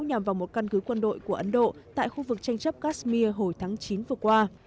nhằm vào một căn cứ quân đội của ấn độ tại khu vực tranh chấp kashmir hồi tháng chín vừa qua